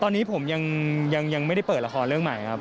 ตอนนี้ผมยังไม่ได้เปิดละครเรื่องใหม่ครับ